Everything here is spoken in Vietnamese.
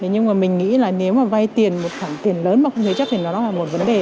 nhưng mà mình nghĩ là nếu mà vay tiền một khoản tiền lớn mà không thể chấp thì nó là một vấn đề